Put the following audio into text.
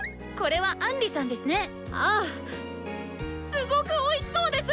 すごくおいしそうです！